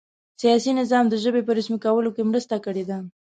سیاسي نظام د ژبې په رسمي کولو کې مرسته کړې ده.